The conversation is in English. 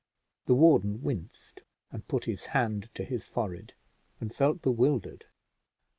The warden winced, and put his hand to his forehead and felt bewildered.